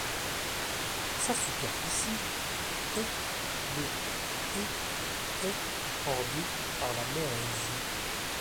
Sa superficie est de et est bordée par la Mer Égée.